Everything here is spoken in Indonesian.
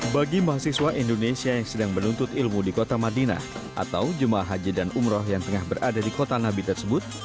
bagi mahasiswa indonesia yang sedang menuntut ilmu di kota madinah atau jemaah haji dan umroh yang tengah berada di kota nabi tersebut